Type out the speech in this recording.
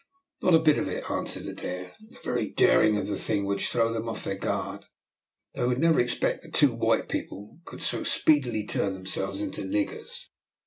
"Not a bit of it," answered Adair; "the very daring of the thing would throw them off their guard. They would never expect that two white people could so speedily turn themselves into niggers.